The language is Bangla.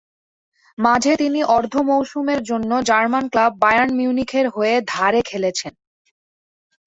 মাঝে তিনি অর্ধ মৌসুমের জন্য জার্মান ক্লাব বায়ার্ন মিউনিখের হয়ে ধারে খেলেছেন।